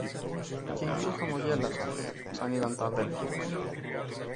Και οι δυο χαμογέλασαν σαν είδαν τ' αδέλφια.